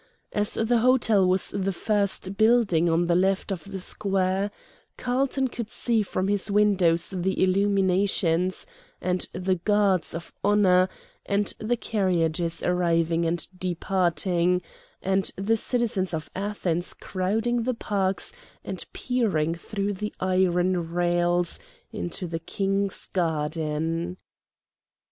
As the hotel was the first building on the left of the square, Carlton could see from his windows the illuminations, and the guards of honor, and the carriages arriving and departing, and the citizens of Athens crowding the parks and peering through the iron rails into the King's garden.